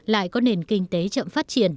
lại có nền kinh tế chậm phát triển